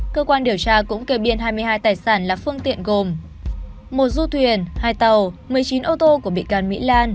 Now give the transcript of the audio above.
cơ quan điều tra cũng kê biên hai mươi hai tài sản là phương tiện gồm một du thuyền hai tàu một mươi chín ô tô của bị can mỹ lan